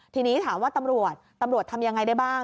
ทีนี้ถามว่าตำรวจตำรวจทำยังไงได้บ้าง